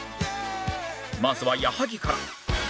まずは矢作から